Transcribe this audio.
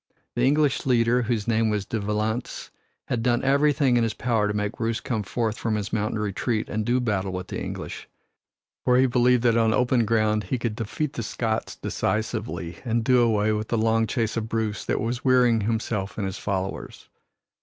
The English leader, whose name was De Valence, had done everything in his power to make Bruce come forth from his mountain retreat and do battle with the English, for he believed that on open ground he could defeat the Scots decisively and do away with the long chase of Bruce that was wearying himself and his followers.